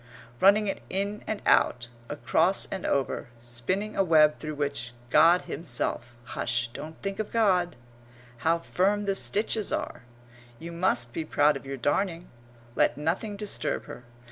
Running it in and out, across and over, spinning a web through which God himself hush, don't think of God! How firm the stitches are! You must be proud of your darning. Let nothing disturb her.